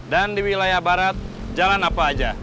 dan di wilayah barat jalan apa aja